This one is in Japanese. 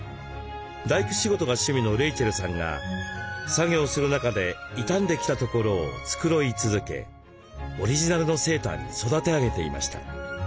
大工仕事が趣味のレイチェルさんが作業する中で傷んできたところを繕い続けオリジナルのセーターに育て上げていました。